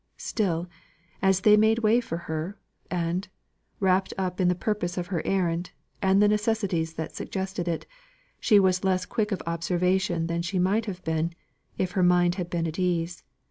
Still, as they made way for her, and, wrapt up in the purpose of her errand, and the necessities that suggested it, she was less quick of observation than she might have been, if her mind had been at ease.